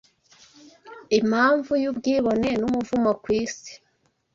impamvu y’ubwibone n’umuvumo ku isi